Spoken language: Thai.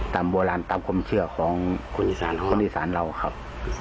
ตามโบราณตามความเชื่อของคนอีสานคนอีสานเราครับ